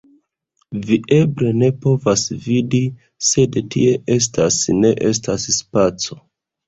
Vi eble ne povas vidi, sed tie estas… Ne estas spaco.